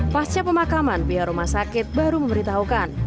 pasca pemakaman pihak rumah sakit baru memberitahukan